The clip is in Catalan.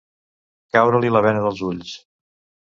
Caure-li la bena dels ulls.